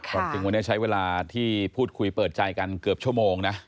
ความจริงวันนี้ใช้เวลาที่พูดคุยเปิดใจกันเกือบชั่วโมงนะ